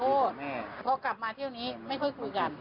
พอกลับมาเที่ยวนี้ไม่ค่อยคุยกัน